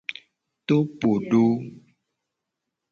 Topodo.